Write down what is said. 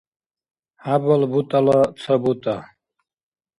хӀябал бутӀала ца бутӀа